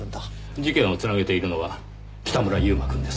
事件を繋げているのは北村悠馬くんです。